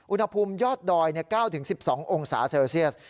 อุณหภูมิยอดดอย๙๑๒องศาเซลเซียส